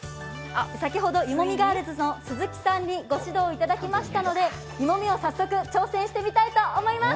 先ほど湯もみガールズの鈴木さんにご指導いただきましたので、湯もみを早速、挑戦したいと思います。